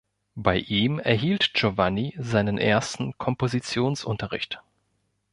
Bei ihm erhielt Giovanni seinen ersten Kompositionsunterricht.